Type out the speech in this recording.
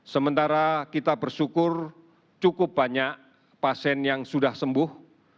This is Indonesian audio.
sementara kita bersyukur cukup banyak pasien yang sudah sembuh